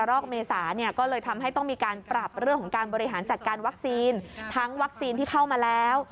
ก็เลยทำให้นายกกกกต้องมีการปรับเรื่องของการบริหารจัดการวัคซีนทั้งวัคซีนที่เข้ามาแล้ว